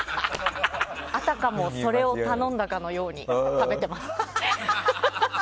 あたかもそれを頼んだのように食べてます。